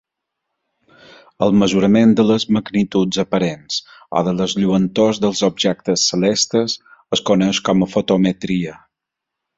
El mesurament de les magnituds aparents o de les lluentors dels objectes celestes es coneix com a fotometria.